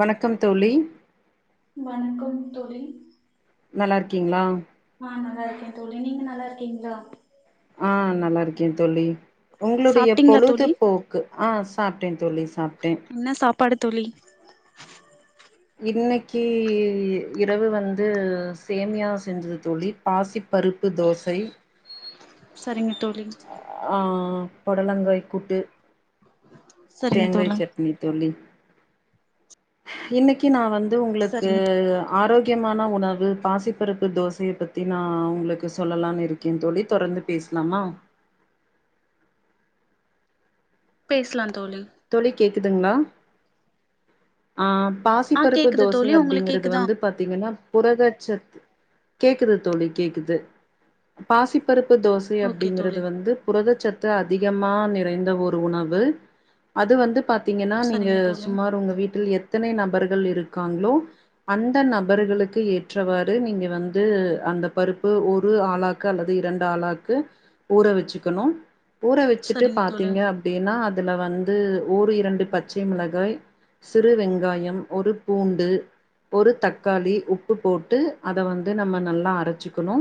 வணக்கம் தோழி உம் வணக்கம் தோழி நல்லா இருக்கீங்ளா ஆஹ் நல்லா இருக்கே தோழி நீங்க நல்லா இருக்கீங்ளா கே தோழி உங்களுடைய சாப்ட்டீங்களா பொழுது தோழி போக்கு ஆஹ் சாப்ட்டேங்க தோழி சாப்ட்டே படுத்தொலி இன்னைக்கி இரவு வந்து சேமியா செஞ்சது தோழி பாசி பருப்பு தோசை சரிங்க தோழி ஆ பொடலங்காய் கூட்டு சரிங்க தேங்காய் தோழி சட்னி தோழி இன்னைக்கி நான் வந் து உங்களுக்கு சரிங்க ஆரோக் முக்கியமான உணவு பாசிப்பருப்பு தோசைய பத்தி நான் உங்களுக்கு சொல்லலானு இருக்கேன் தோழி தொடர்ந்து பேசலாமா பேஸ்லாம் தோழி குதுங்ளா ஆஹ் ஆ பாசிபருப்பு கேக்குது தோசை தோழி உங்களுக்கு அப்டிங்கிறது கேக்குதா வந்து பாத்திங்கன்னா புரதசத்து கேக்குது தோழி கேக்குது பாசிப்பருப் பு தோசை ஓகே அப்டிங்கிறது தோழி வந்து புரத சத்- து அதிகமா நிறைந்த ஒரு உணவு அது வந்து பா பாத்திங்கன்னா நீங்க சரிங்க தோழி சுமார் உங்க வீட்டில் எத் த்தனை நபர்கள் இருக்காங்ளோ அந்த நபர்களுக்கு ஏற்றவாறு நீங்க வந்து அந்த பருப்பு ஒரு ஆழாக்கு அல்லது இரண்டு ஆழாக்கு ஊற வச்சுக்கணு ஊற வச்சுட்டு சரிங்க தோழி பாத்தீங்க அப்டினா அ இதுல வந் து ஓர் இரண்டு பச்சை மிளகாய் சிறு வெங்காயம் ஒரு பூண்டு ஒரு தக்காளி உப்பு போட்டு அத வந்து நம்ம நல்லா அரைச்சுக்கணு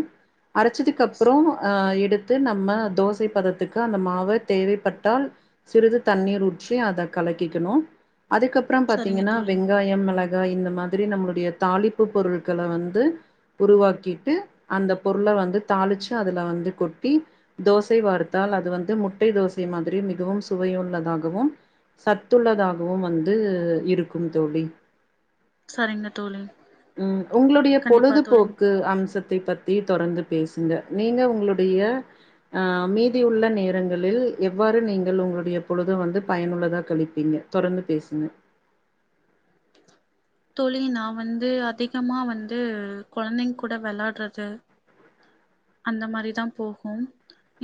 அரச்சிதுக்கப்றோ ஆ எடுத் து நம்ம தோசை பதத்துக்கு அந்த மாவத் தேவைப்பட்டால் சிறிது தண்ணீர் ஊற்றி அதக் கலக்கிக்கணு அதுக்கப்பறோ சரிங்க பாத்தீங்கன்னா தோழி வெங்காயம் மெளகாய் இந்த மாத் ரி நம்ளுடைய தாளிப்பு பொருள்க்கள வந்து உருவாக்கிட்டு அந்த பொருள வந்து தாளிச்சு அதுல வந்து கொட்டி தோசை வார்த்தால் அது வந்து முட்டை தோசை மாதிரி மிகவும் சுவையோ உள்ளதாகவு சத்துள்ளதாகவு வந்து இருக்கும் தோழி சரிங்க தோழி உம் உங்ளுடைய கண்டிப்பா தோழி பொழுதுபோக்கு அம்சத்தை பத்தி தொடர்ந்து பேசுங்க நீங்க உங்ளுடைய ஆஹ் அமேதி உள்ள நேரங்களில் எவ்வாறு நீங்கள் உங்ளுடைய பொழுத வந்து பயனுள்ளதா கழிப்பீங்க தொடர்ந்து பேசுங்க தோழி நா வந்து அதிகமா வந்து கொழந்தைங்க் கூட வெள்ளாட்றது அந்த மாரிதான் போகும்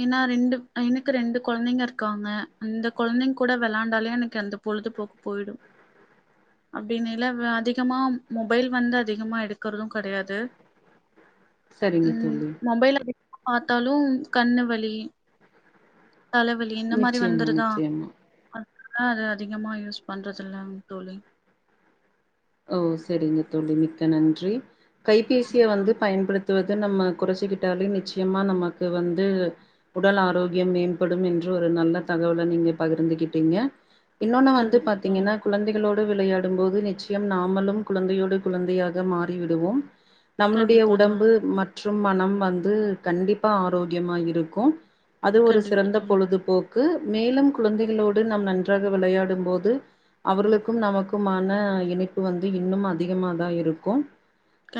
ஏன்னா ரெண்டு எனக்கு ரெண்டு கொழந்தங்க இருக்காங்க அந்த கொழந்தங்க கூட வெளாண்டாலே எனக்கு அந்த பொழுது போக்கு போயிடும் அப்டினேல அதிகமா மொபைல் வந்து அதிகமா எடுக்கறதும் கெடையாது செரிங்க ம் தோழி மொபைல் பாத்தாலும் கண்ணு வலி தலவலி இந்த மாரி நிச்சயமா வந்துருதா நிச்சயமா ஆஹ் அத அதிகமா யூஸ் பண்றதுல்லங் தோழி ஓ செரிங்க தோழி மிக்க நன்றி கைபேசிய வந்து பயன்படுத்துவது இத நம்ம குறைச்சிக்கிட்டாலே நிச்சியமா நமக்கு வந்து உடல் ஆரோக்கியம் மேம்படும் என்று ஒரு நல்ல தகவல நீங்க பகிர்ந்துகிட்டீங்க இன்னொன்னு வந்து கண்டிப்பா தோழி பாத்தீங்கன்னா குழந்தைகளோட் விளையாடும்போது நிச்சி யம் நாமலும் குழந்தையோடு குழந்தையாக மாறிவிடுவோம் நம்ளுடைய கண்டிப்பா தோழி உடம்பு மட் றும் மனம் வந்து கண்டிப்பா ஆரோக்கியமா இருக்கும் அது ஒரு கண்டிப்பா சிறந்த தோழி பொழுதுபோக் கு மேலும் குழந்தைகளோடு நம் நன்றாக விளையாடும் போது அவர்களுக்கும் நமக்குமான இனை ப்பு வந்து இன்னு அதிகமாதா இருக்கும்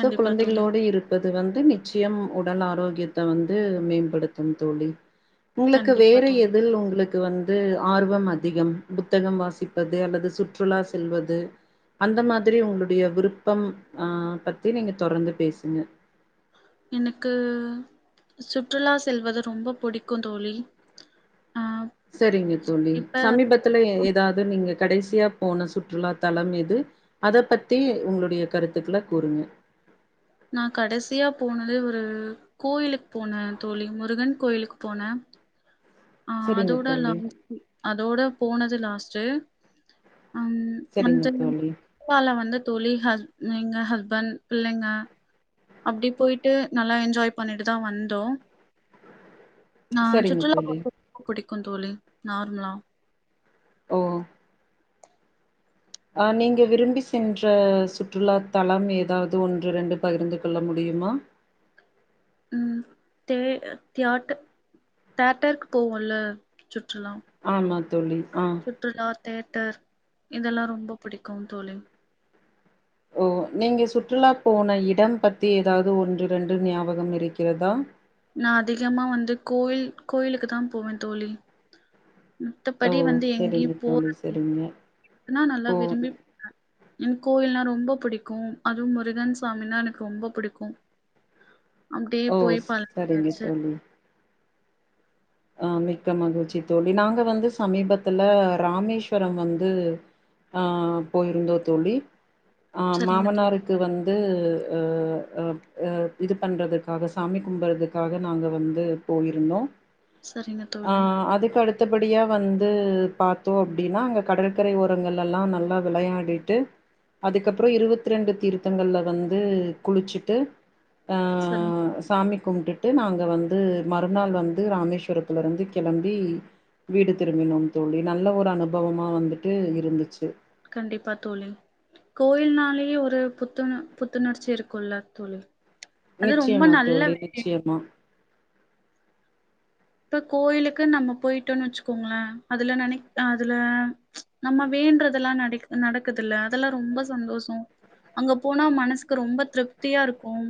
சோ தோழி குழந்தைகளோடு இருப்பது இது வந்து நிச்சியம் உடல் ஆரோக்கியத்த வந்து மேம்படுத்தும் தோழி உங்ளுக்கு கண்டிப்பா வேற தோழி எதில் உங்ளுக்கு அது வந்து ஆர்வம் அதிகம் புத்தகம் வாசிப்பது அல்லது சுற்றுலா செல்வது அந்த மாதிரி உங்ளுடைய விருப்பம் ஆஹ் பத்தி நீங்க தொடர்ந்து பேசுங்க எனக்கு சுற்றுலா செல்வது ரொம்ப புடிக்கு தோழி ஆ செரிங்க தோழி இப்ப சமீபத்துல ஏதாது நீங்க கடைசியா போன சுற்றுலா தலம் எது அத பத்தி உங்ளுடைய கருத்துக்ளக் கூறுங்க நா கடசியா போனது ஒரு கோயிலுக் போனேன் தோழி முருகன் கோயிலுக்கு போனேன் ஆஹ் சரிங்க அதோடல்லா தோழி, [inaudible] அதோட போனது லாஸ்ட்டு ம் சரிங்க அந்த தோழி, [inaudible] வந்து தோழி ஹஸ்ப் எங்க ஹஸ்பண் பிள்ளைங்க அப்டி போய்ட்டு நல்லா என்ஜாய் பண்ணிட்டு தா வந்தோ சரிங்க தோழி க்குந் தோழி நார்மலா ஓகோ அ நீங்க விரும்பி சென்ற சுற்றுலா தலம் எதாவது ஒன்று ரெண்டு பகிர்ந்து கொள்ள முடியுமா உம் தே தியாட் தேட்டருக்கு போவோல்ல சுற்றலாம் ஆமா தோழி ஆ. சுற்றுலா தேட்டர் இதெல்லா ரொம்ப பிடிக்கு தோழி ஓ நீங்க சுற்றுலா போன இடம் பத்தி எதாவது ஒன்று ரெண்டு ஞாபகம் இருக்கிறதா நா அதிகமா வந்து கோயில் கோயிலுக்கு தா போவே தோழி ஓ! மத்தபடி வந்து எங்கியு சரிங்க போற தோழி, சரிங்க. [inaudible] நல்லா ஓ! விரும்பி [inaudible] ம் கோயில்னா ரொம்ப பிடிக்கு அதுவு முருகன் சாமினா எனக்கு ரொம்ப பிடிக்கு ஓ சரிங்க தோழி ஆஹ் மிக்க மகிழ்ச்சி தோழி நாங்க வந்து சமீபத்துல ராமேஸ்வரம் வந்து ஆஹ் போயிருந்தோ தோழி ஆஹ் சரிங்க தோழி மாமனாருக்கு வந்து அ அப் அ இது பண்றதுக்காக சாமி கும்புறதுக்காக நாங்க வந்து போயிருந்தோ சரிங்க தோழி மத்தபடியா வந்து பார்த்தோம் அப்படின்னா அங்க கடற்கரை ஓரங்கள் எல்லாம் நல்லா விளையாடிட்டு அதுக்கப்புறம் இருபத்தி ரெண்டு தீர்த்தங்கள்ல வந்து குளிச்சுட்டு சரிங்க ஆஹ் தோழி. சாமி கும்டுட் ட்டு நாங்க வந்து மறுநாள் வந் டு ராமேஸ்வரத்துலருந்து கெளம்பி வீடு திரும்பினோம் தோழி நல்ல ஒரு அனுபவமா வந்துட்டு இருந்துச்சு கண்டிப்பா தோழி கோயில்னாலயே ஒரு புத்துண புத்துணர்ச்சி இருக்குல்ல தோழி அது ரொம்ப நிச்சயமா நல்ல தோழி விஷயோ நிச்சயமா ப்ப கோயிலுக்குன் நம்ம போயிட்டோன் வெச்சுக்கோங்ளே அதுல நெனைக் அ அதுல நம்ம வேன்றதெல்லா நடெக் நடக்குதுல்ல அதெல்லா ரொம்ப சந்தோஷோ அங்க போனா மனசுக்கு ரொம்ப திருப்தியா இருக்கும்.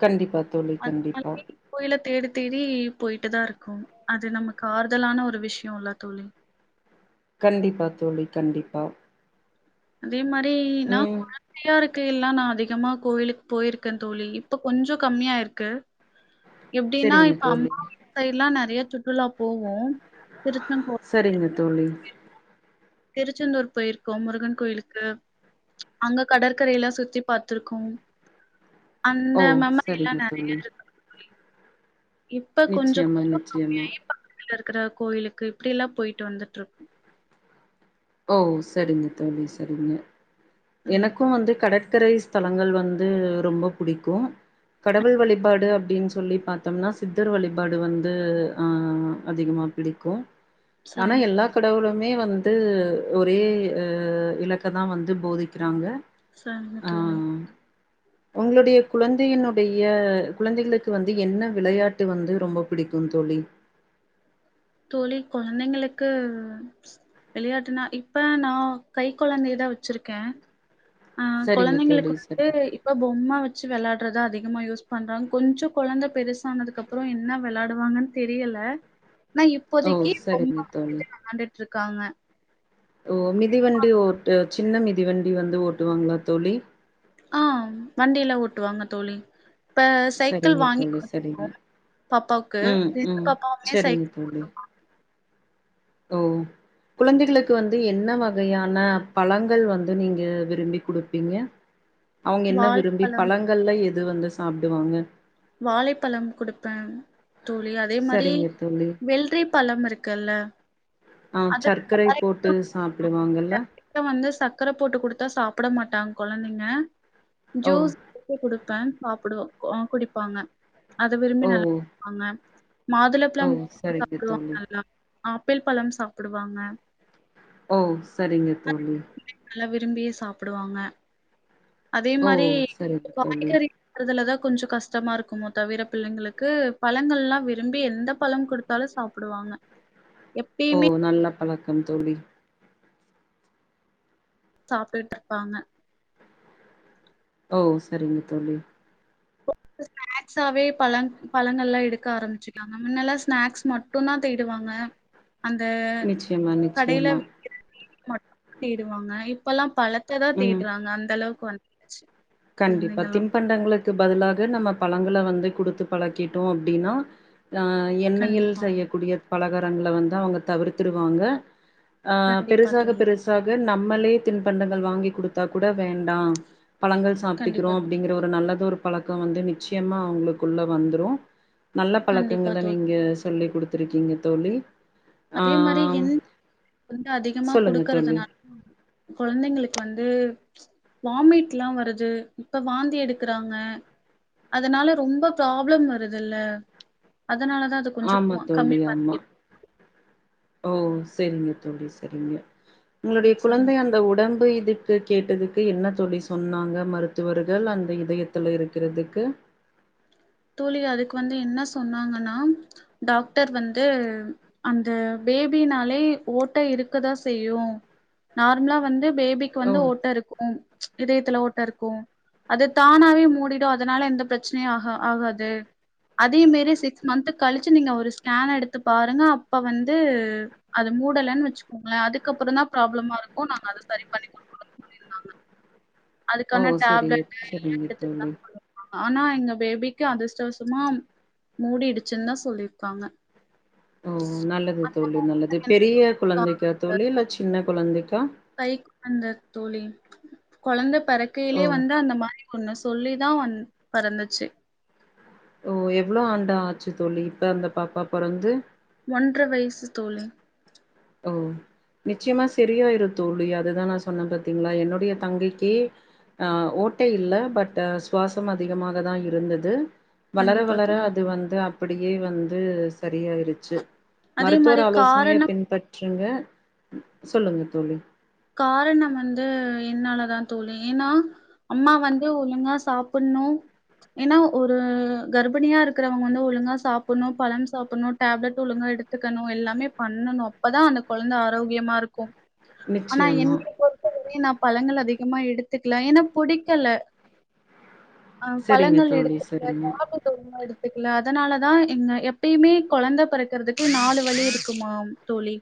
கண்டிப்பா தோழி கண்டிப்பா தெரி போயிட்டுதான் இருக்கும் அது நமக்கு ஆறுதலான ஒரு விஷயம் இல்ல தோழி கண்டிப்பா தோழி கண்டிப்பா அதே மாதி பே நா ம் கொழந்தையா இருக் க்கு எல்லா நா அதிகமா கோயிலுக் போயிருக்கே தோழி இப்ப கொஞ்சோ கம்மியாயிருக்கு எப்டின்னா செரிங்க இப்ப தோழி அம்மா வீட் சைட்லா நற நெறைய சுற்றுலா போங்க திருத்தன் போ சரிங்க தோழி திருச்செந்தூர் போயிருக்கோ முருகன் கோயிலுக்கு அங்க கடற்கரை எல்லா சுத்தி பாத்திருக்கோம் அந்த ஓ மெமரி எல்லா சரிங்க நெறைய தோழி இருக்கு தோழி. இப்ப கொஞ்சோ நிச்சயமா கொஞ்சோ நிச்சயமா கம்மியாயி இருக்கிற கோயிலுக்கு இப்டி எல்லா போயிட்டு வந்துட்டு இருக் ஓ சரிங்க தோழி சரிங்க சரிங்க எனக்கு வந்து கட கரை ஸ்தலங்கள் வந்து ரொம்ப பிடிக்கு கடவுள் வழிபாடு அப்டின்னு சொல்லி பாத்தோம்னா சித்தர் வழிபாடு வந்து ஆஹ் அதிகமா பிடிக்கு ஆனா சரிங்க தோழி எல்லா கடவுளும் மே வந்து ஒரே அஹ் இலக்க தா வந்து போதிக்கிறாங்க சரிங்க ஆ தோழி உங்களுடைய குழந்தையினுடைய குழந்தைகளுக்கு வந்து என்ன விளையாட்டு வந்து ரொம்ப பிடிக்கும் தோழி? தோழி குழந்தைங்களுக்கு விளையாட்டுனா இப்ப நா கை குழந்தையதா வச்சிருக்கே ஆஹ் சரிங்க கொழந்தைங்களுக்கு தோழி வந்து சரிங்க இப்ப பொம்ம வெச்சு வெளாட்றதா அதி அதிகமா யூஸ் பண்றோ கொஞ்சோ குழந்த பெருசானதுக்கு அப்புறோ என்ன வெளாடுவாங்கன்னு தெரியல ஆனா ஓ இப்போதைக்கு சரிங்க ரொம்ப தோழி [inaudible] ட்ருக்காங்க ஓ மிதிவண்டி ஓட்டு சின்ன மிதிவண் இப்டி வந்து ஓட்டுவாங்களா தோழி ஆஹ் வண்டிலா ஓட்டுவாங்க தோழி இப்ப சைக்கிள் சரிங்க வாங்கி் தோழி சரிங்க [inaudible] பாப்பாவுக்கு ம், ரெண்டு ம். [inaudible] பாப்பாவுமே சரிங்க சைக்கிள் [inaudible] தோழி. ஓ குழந்தைகளுக்கு வந்து என்ன வகையான பழங்கள் வந்து நீங்க விரும்பி குடுப்பீங்க அவுங்க என்ன விரும்பி வாழைப்பழம் பழங்கள்ல எ து வந்து சாப்டுவாங்க வாழைப்பழம் குடுப்ப தோழி அதேமாரி சரிங்க தோழி. வெல்ரி பழம் இருக்குல்ல ஆ அது சர்க்கரை டைரக்ட்டா போட்டு சாப்பிடுவாங்கல்ல சக்கர போட்டு கொடுத்தா சாப்பிட மாட்டாங் கொழந்தைங்க ஓ! ஜீஸ் [inaudible] பேன் சாப்புடு குடி ப்பாங்க அத விரும்பி ஓ! நல்லா [inaudible] பாங்க ஓ! மாதுளப்ழம் சரிங்க சாப்புடுவாங்க தோழி. அதுலா ஆப்பிள் பழம் சாப்புடுவாங்க ஓ சரிங்க தோழி நல்லா விரும்பியே சாப்டுவாங்க ஓ! அதேமாரி சரிங்க தோழி. காய்கறி [inaudible] துலதா கொஞ்சோ கஷ்டமா இருக்குமோ தவிர பிள்ளைங்களுக்கு பழங்கள்லா விரும்பி எந்த பழம் ககுடுத்தாலும் சாப்புடுவாங்க ஓ நல்ல பழக் கண் தோழி சாப்பிட்ருப்பாங்க ஓ செரிங்க தோழி ஸ்நாக்ஸாவே பழ பழங்கள்லாம் எடுக்க ஆரமிச்சுக்காங்க முன்னல்லா ஸ்நாக்ஸ் மட்டுதா தேடுவாங்க அந்த நிச்சயமா கடையில நிச்சயமா விக்கிற [inaudible] தேடுவாங்க இப்பலா பழத்த தா ம். தேட்றாங்க அந்த அளவுக் கொஞ் ச்சு கண்டிப்பா திண்பண்டங்களுக் அதற்குக்கு பதிலாக நம்ம பழங்கள வந்து குடுத்து பழக்கிட்டோ அப்படின்னா அ எண்ணெயில் கண்டிப்பா, செய்யக்கூடிய பலகாரங்கள வந்து அவுங்க தவிர்த்துருவாங்க ஆ கண்டிப்பா பெருசாக தோழி. பெருசாக நம்மளே தின்பண்டங்கள் வாங்கி குடுத்தா கூட வேண்டா பழங்க சாப்டுக்குறோ கண்டிப்பா தோழி. அப்டிங்ற ஒரு நல்லது பழக்கம் வந்து நிச்சயமா அவுங்களுக்குள்ள வந்துரு நல்ல கண்டிப்பா பழக்கங்கள தோழி. நீங்க சொல்லி குடுத்துருக்கீங்க தோழி அதே மாரி ஆம் என் வந்து அதிகமா சொல்லுங்க தோழி. குடுக்கறதுனா கொழந்தைங்களுக்கு வந்து வாமிட் எல்லாம் வருது இப்ப வாந்தி எடுக்கறாங்க அதனால ரொம்ப ப்ராப்ளம் வருதுல்ல அ அதனால தான் அது கொஞ்சம் ஆமா கம்மி தோழி, ஆமா. பண்ணிக்க ஓ செரிங்க தோழி செரிங்க உங்களுடைய ம் சரிங்க குழந்தை அந்த உடம்பு இது கேட்டதுக்கு என்ன தோழி சொன்னாங்க மருத்துவர்கள் அந்த இதயத்துல இருக்கிறதுக்கு தோழி அதுக்கு வந்து என்ன சொன்னாங்கன்னா டாக்டர் வந்து அந்த பேபினாலே ஓட்ட இருக்கதா செய்யும் நார்ம்லா வந்து பேபிக்கு ஓ வந்து ஓட்ட இருக்கும் ச் இதயத்தல ஓட்ட இருக்கும் அது தானாவே மூடிடும் அதனால எந்த பிரச்சனையும் ஆகா ஆகாது அதே மேரி சிக்ஸ் மன்த்து கழிச்சு நீங்க ஒரு ஸ்க எடுத்து பாருங்க அப்ப வந்து அது மூடலைன் வச்சுக்கோங்களன் அதுக்கப்புறம் தான் ப்ராப்ளமா இருக்கும் நாங்க அத சரி பண்ணி கொடுக்கிறோம்னு சொல்லி இருந்தாங்க ஓ சரி சரிங்க தோழி எடுத்துக்கலானு சொல்லிருக்காங்க ஆனா எங்க பேபிக்கு அதிர்ஷ்டவசமா மூடிடுச்சின் தான் சொல்லியிருக்காங்க ஓ நல்லது தோழி நல்லது எனக்கு பெரிய குழந்தைக்கா தோழி இல்ல சின்ன குழந்தைக்கா கை குழந்த தோழி கொழந்த ஓ பறக்கைலேயே வந்து அந்த மாரி ஒன்னு சொல்லிதா வந் பறந்துச்சி ஓ எவ்ளோ ஆண்டா ஆச்சு தோழி இப்ப அந்த பாப்பா பொறந்து ஒன்ற வயசு தோழி ஓ நிச்சயமா சரியாயிரு தோழி அதுதான் நான் சொன்ன பாத்தீங்களா என்னுடைய தங்கைக்கே ஹ ஓட்டை இல்ல பட்டு சுவாசம் அதிகமாக தான் இருந்தது வளர கண்டிப்பா வளர தோழி அது வந்து அப்டியே வந்து து ஸ் சரியாயிருச்சு அதே மருத்துவர் மாரி ஆலோசனைய காரண பின்பற் றுங்க சொல்லுங்க தோழி காரணம் வந்து [unintelligible] தோழி ஏன்னா அம்மா வந்து ஒழுங்கா சாப்பிடணு ஏன்னா ஒரு கர்ப்பிணியா இருக்கிறவங்க வந்து ஒழுங்கா சாப்பிடணு பழம் சாப்பிடணு டேப்லெட் ஒழுங்கா எடுத்துக்கணு எல்லாமே பண்ணணு அப்பதான் அந்த குழந்தை ஆரோக்கியமா இருக்கும் ஆனா நிச்சயமா என்னை பொறுத்தவரையும் ந பழங்கள் அதிகமா எடுத்துக்லா ஏன்னா புடிக்கல ஆ செரிங்க பழங்கள் தோழி எடுத்துக்ல செரிங்க [inaudible] துக்ல அதனாலதா இங்க எப்பய்மே கொழந்த பொறக்குறதுக்கு நாலு வழி இருக்குமாம் தோழி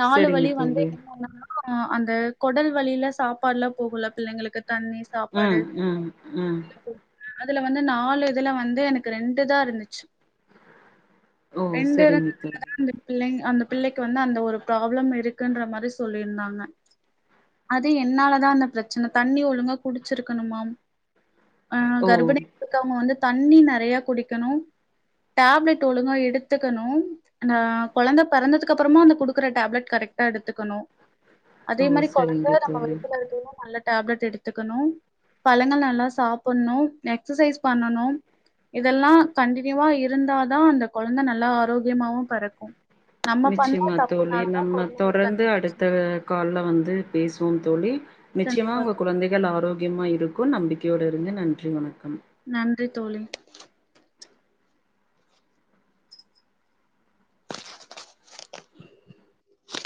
நாலு செரிங்க வழி வந்து தோழி என்னனா ஆஹ் அந்த கொடல் வழில சாப்பாடுலா போகுல பிள்ளைங்களுக்கு தண்ணி சாப்பாடு உம் உம் உம் போகும். அதுல வந்து நாலு இதுல வந்து எனக்கு ரெண்டு தா இருந்துச்சு ஓ ரெண்டு செரிங்க தோழி [unintelligible] பிள்ளை அந்த பிள்ளைக்கு வந்து அந்த ஒரு ப்ராப்ளம் இருக்குன்ற மாரி சொல்லி இருந்தாங்க அது என்னால தா அந்த பிரச்சன தண்ணி ஒழுங்க குடிச்சிருக்கணுமாம் ஆ ஓ கர்ப்பி [inaudible] இருக்கவங்க வந்து தண்ணி நறையா குடிக்கணு டேப்லெட் ஒழுங்கா எடுத்துக்கணும் அ கொழந்தை பெறந்ததுக்கு அப்புறமா அந்த குடுக்கற டேப்லெட் கரெக்டா எடுத்துக்கணு அதே ஓ மாரி கொழந்த செரிங்க நம்ம தோழி வயித்துல இருக்குன்னு நல்ல டேப்லெட் எடுத்துக்கணும் பழங்கள் நல்லா சாப்புட்ணும் எக்ஸசைஸ் பண்ணணும் இதெல்லா கன்டினியூவா இருந்தா தா அந்த கொழந்த நல்லா ஆரோக்கியமாவு பெறக்கூ நிச்சயமா தோழி நம்ம கொழந்தைங்களுக்கு அந்த தொடர்ந்து அடுத் பிரச்சன கால்ல வந்து பேசுவோ தோழி நிச்சயமா கண்டிப்பா உங்க தோழி கொழந்தைகள் ஆரோக்கியமா இருக்கூ நம்பிக்கை கியோட இருந்து நன்றி வணக் நன்றி தோழி